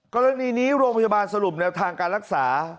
กรณีนี้โรงพยาบาลสรุปแนวทางการรักษา